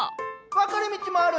・分かれ道もある。